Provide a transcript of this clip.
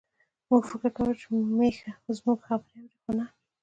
موږ فکر کاوه چې میښه زموږ خبرې اوري، خو نه.